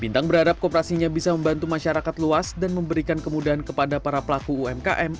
bintang berharap koperasinya bisa membantu masyarakat luas dan memberikan kemudahan kepada para pelaku umkm